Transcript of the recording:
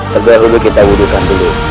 terlebih dahulu kita wudkan dulu